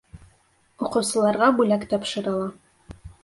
Уҡыусыларға бүләк тапшырыла.